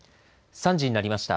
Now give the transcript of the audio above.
３時になりました。